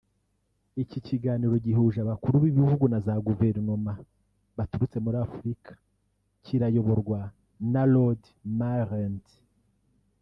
Iki kiganiro gihuje Abakuru b’ibihugu na za guverinoma baturutse muri Afurika kirayoborwa na Lord Marland